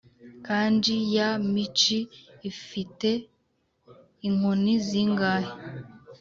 kanji ya "michi" ifite inkoni zingahe?